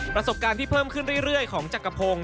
ประสบการณ์ที่เพิ่มขึ้นเรื่อยของจักรพงศ